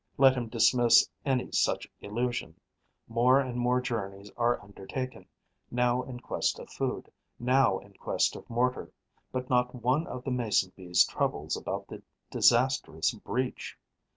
Let him dismiss any such illusion: more and more journeys are undertaken, now in quest of food, now in quest of mortar; but not one of the Mason bees troubles about the disastrous breach.